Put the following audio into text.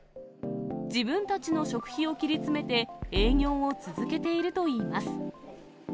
自分たちの食費を切り詰めて、営業を続けているといいます。